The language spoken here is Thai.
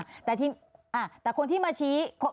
รู้แต่ว่าเขาตายไปคนหนึ่ง